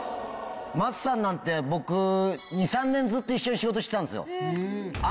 桝さんなんて僕２３年ずっと一緒に仕事してたんですよ。